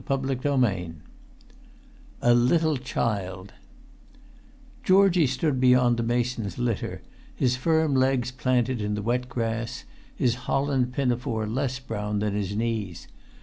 [Pg 262] XXII A LITTLE CHILD Georgie stood beyond the mason's litter, his firm legs planted in the wet grass, his holland pinafore less brown than his knees.